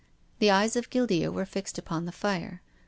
The eyes of Guildea were fixed upon the fire.